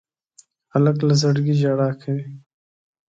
هلک له زړګي ژړا کوي.